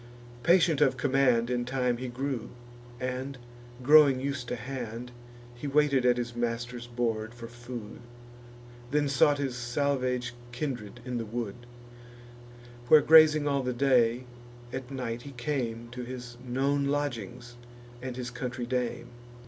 Patient of command In time he grew, and, growing us'd to hand, He waited at his master's board for food; Then sought his salvage kindred in the wood, Where grazing all the day, at night he came To his known lodgings, and his country dame.